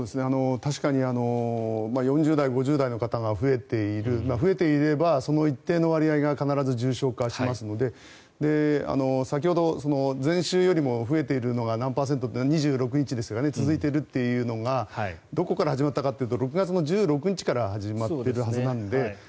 確かに４０代、５０代の方が増えている増えていれば、その一定の割合が必ず重症化しますので先ほど前週よりも増えているのが何パーセント２６日でしたかね続いているというのがどこから始まったかというと６月１６日から始まっているはずなので。